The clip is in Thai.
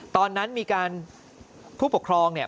ตอนนั้นมีการผู้ปกครองเนี่ย